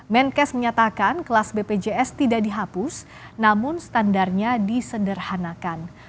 menkes menyatakan kelas bpjs tidak dihapus namun standarnya disederhanakan